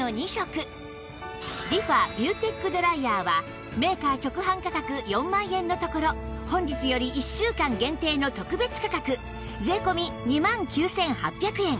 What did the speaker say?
リファビューテックドライヤーはメーカー直販価格４万円のところ本日より１週間限定の特別価格税込２万９８００円